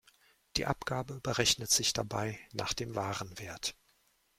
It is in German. Die Abgabe berechnet sich dabei nach dem Warenwert.